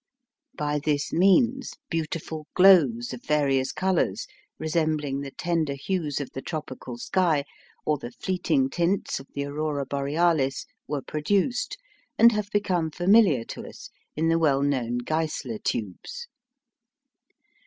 By this means beautiful glows of various colours, resembling the tender hues of the tropical sky, or the fleeting tints of the aurora borealis, were produced, and have become familiar to us in the well known Geissler tubes.